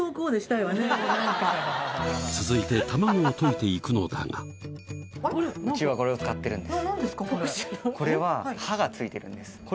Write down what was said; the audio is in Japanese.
続いてうちはこれを使ってるんです。